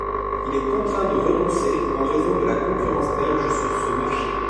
Il est contraint de renoncer en raison de la concurrence belge sur ce marché.